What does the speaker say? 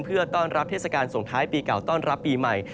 เพื่อต้อนรับเทศกาลส่งท้ายปีเก่าต้อนรับปีใหม่